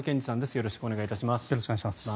よろしくお願いします。